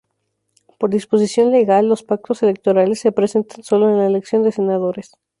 Por disposición legal los pactos electorales se presentan sólo en la elección de senadores.